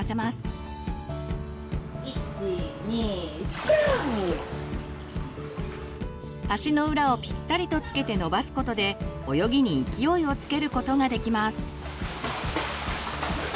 子どもの足の裏をピッタリとつけて伸ばすことで泳ぎに勢いをつけることができます。